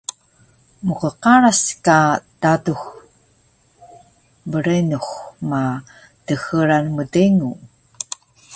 Mqqaras ka tadus brenux ma dxeral mdengu